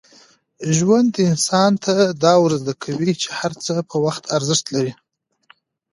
ژوند انسان ته دا ور زده کوي چي هر څه په وخت ارزښت لري.